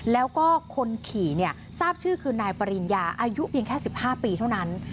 แล้วก็คนขี่เนี่ยทราบชื่อคือนายปริญญาอายุเพียงแค่๑๕ปีเท่านั้น